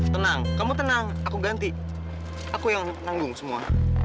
tenang kamu tenang aku ganti aku yang nanggung semua